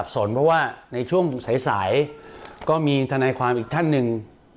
สนเพราะว่าในช่วงสายก็มีทนายความอีกท่านหนึ่ง